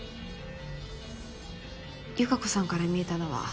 由香子さんから見えたのは。